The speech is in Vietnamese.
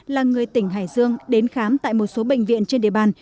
là người tỉnh hải dương đến khám tại một số bệnh viện trên địa bàn